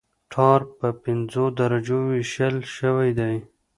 ټار په پنځو درجو ویشل شوی دی